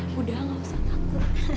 sudah tidak usah takut